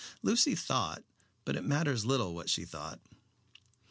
Lucy thought but it matters little what she thought.